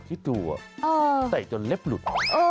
พี่ตูอ่ะแต่จนเล็บหลุด